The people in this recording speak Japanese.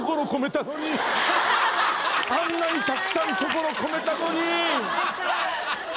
あんなにたくさん心込めたのに！